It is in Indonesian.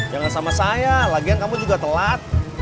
jangan sama saya lagian kamu juga telat